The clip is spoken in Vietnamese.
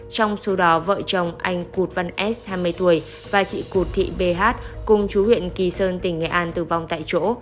trong số đó vợ chồng anh cụt văn s hai mươi tuổi và chị cụt thị bh cùng chú huyện kỳ sơn tỉnh nghệ an tử vong tại chỗ